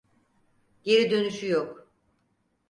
Geri dönüşü yok.